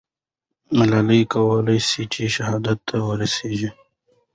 ملالۍ کولای سوای چې شهادت ته ورسېږي.